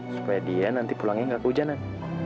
supaya dia nanti pulangnya nggak kehujanan